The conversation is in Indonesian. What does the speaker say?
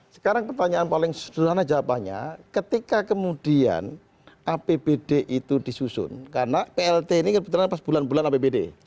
sekarang pertanyaan paling sederhana jawabannya ketika kemudian apbd itu disusun karena plt ini kebetulan pas bulan bulan apbd